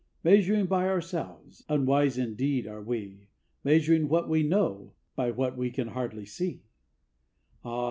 Measuring by ourselves, unwise indeed are we, Measuring what we know by what we can hardly see. Ah!